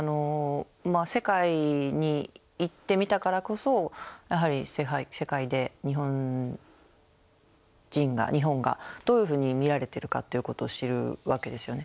まあ世界に行ってみたからこそやはり世界で日本人が日本がどういうふうに見られているかっていうことを知るわけですよね。